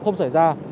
không xảy ra